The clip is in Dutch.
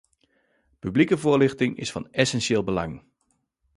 Publieke voorlichting is van essentieel belang.